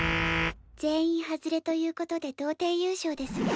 全員ハズレということで同点優勝ですね。